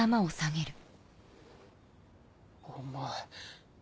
お前。